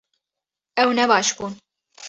Ew ne baş bûn